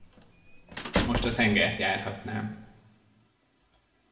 Most a tengert járhatnám.